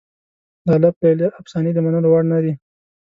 د الف لیله افسانې د منلو وړ نه دي.